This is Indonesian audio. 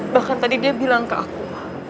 bahkan tadi dia bilang ke aku